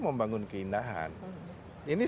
membangun keindahan ini